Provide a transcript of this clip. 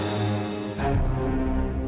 sekarang dia terjadikan vayu bukan kita